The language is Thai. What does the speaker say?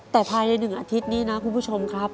แต่ภายใน๑อาทิตย์นี้นะคุณผู้ชมครับ